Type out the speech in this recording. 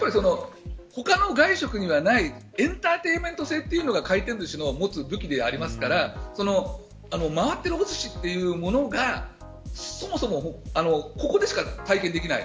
やっぱり他の外食にはないエンターテインメント性が回転ずしのもつ武器でありますから回っているおすしというものがそもそもここでしか体験できない。